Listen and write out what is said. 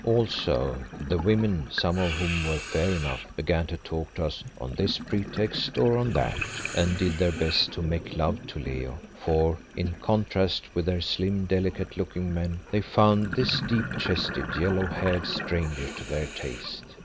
Also the women, some of whom were fair enough, began to talk to us on this pretext or on that, and did their best to make love to Leo; for, in contrast with their slim, delicate looking men, they found this deep chested, yellow haired stranger to their taste.